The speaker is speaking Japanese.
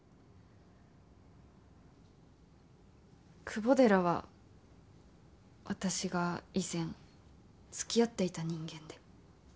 久保寺は私が以前つきあっていた人間で。